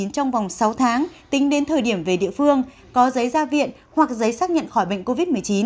trong vòng sáu tháng tính đến thời điểm về địa phương có giấy ra viện hoặc giấy xác nhận khỏi bệnh covid một mươi chín